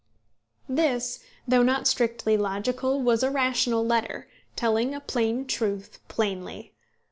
This, though not strictly logical, was a rational letter, telling a plain truth plainly.